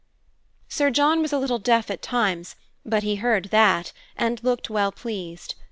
Sir John was a little deaf at times, but he heard that, and looked well pleased.